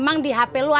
ya siapa ia pore